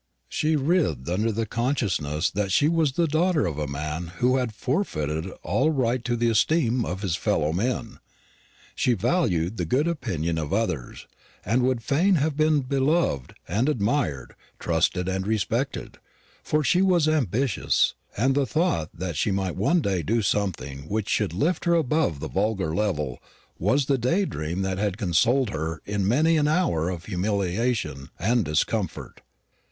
She writhed under the consciousness that she was the daughter of a man who had forfeited all right to the esteem of his fellow men. She valued the good opinion of others, and would fain have been beloved and admired, trusted and respected; for she was ambitious: and the though that she might one day do something which should lift her above the vulgar level was the day dream that had consoled her in many an hour of humiliation and discomfort.